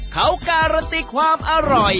เขาการันตีความอร่อย